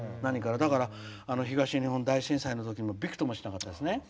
だから、東日本大震災のときもびくともしなかったですね。